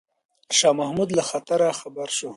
شاه محمود له خطره خبر شو.